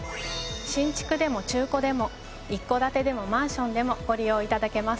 新築でも中古でも一戸建てでもマンションでもご利用頂けます。